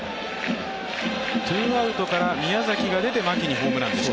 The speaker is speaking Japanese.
ツーアウトから宮崎が出て牧にホームランでした。